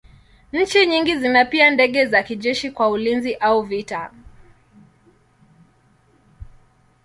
Nchi nyingi zina pia ndege za kijeshi kwa ulinzi au vita.